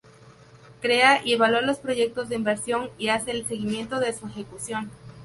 Crea y evalúa los proyectos de inversión y hace el seguimiento de su ejecución.